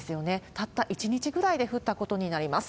たった１日ぐらいで降ったことになります。